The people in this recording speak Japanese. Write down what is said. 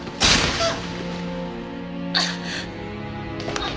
あっ。